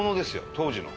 当時の。